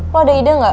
lo ada ide gak